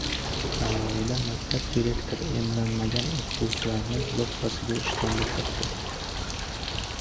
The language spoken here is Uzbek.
Navoiyda maktab direktori emlanmagan o‘qituvchilarni yoppasiga “ishdan bo‘shatdi”